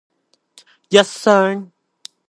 一雙